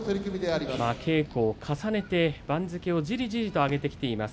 稽古を重ねて番付をじりじりと上げてきています。